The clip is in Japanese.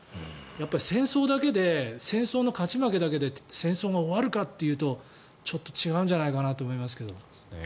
戦争だけで戦争の勝ち負けだけで戦争が終わるかというとちょっと違うんじゃないかなと思いますけど。